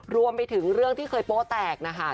รวมไปถึงเรื่องที่เคยโป๊แตกนะคะ